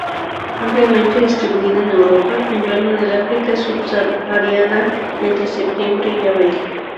Ampliamente distribuida en Europa, inverna en el África subsahariana entre septiembre y abril.